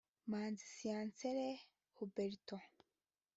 Manzi Sincere Huberto